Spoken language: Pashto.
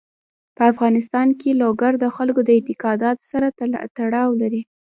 په افغانستان کې لوگر د خلکو د اعتقاداتو سره تړاو لري.